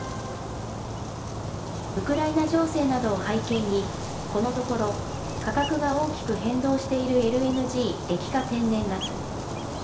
ウクライナ情勢などを背景に、このところ、価格が大きく変動しているＬＮＧ・液化天然ガス。